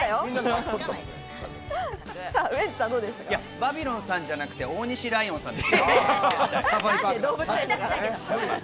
バビロンさんじゃなくて、大西ライオンさんで。